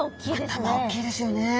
頭おっきいですよね。